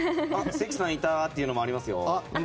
関さんいた！っていうのもありますよ。